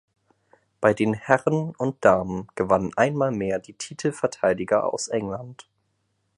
Bei den Herren und Damen gewannen einmal mehr die Titelverteidiger aus England.